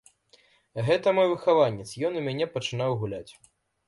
Гэта мой выхаванец, ён у мяне пачынаў гуляць.